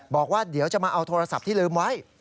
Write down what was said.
บอกว่าเดี๋ยวจะมาเอาโทรศัพท์ที่ลืมไว้